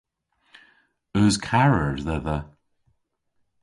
Eus karer dhedha?